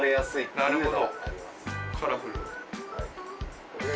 なるほど。